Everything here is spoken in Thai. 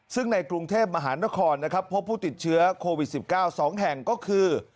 ซึ่งในกรุงเทพมหานครนะครับพบผู้ติดเชื้อโควิด๑๙๒แห่งก็คือ